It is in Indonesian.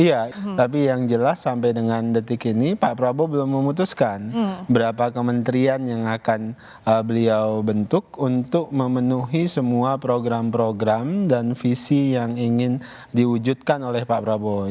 iya tapi yang jelas sampai dengan detik ini pak prabowo belum memutuskan berapa kementerian yang akan beliau bentuk untuk memenuhi semua program program dan visi yang ingin diwujudkan oleh pak prabowo